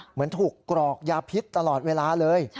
เหมือนถูกกรอกยาพิษตลอดเวลาเลย